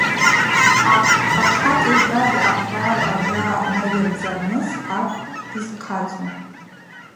Ахъацӏа йхӏваз акърар ажва найырдзарныс акӏвпӏ дызхъацӏу.